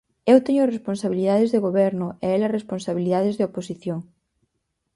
Eu teño responsabilidades de goberno e ela responsabilidades de oposición.